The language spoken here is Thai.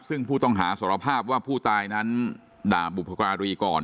ซึ่งผู้ต้องหาสารภาพว่าผู้ตายนั้นด่าบุพการีก่อน